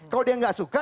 kalau dia tidak suka